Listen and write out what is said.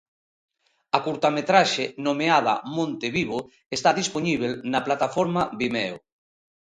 A curtametraxe, nomeada Monte Vivo, está dispoñíbel na plataforma Vimeo.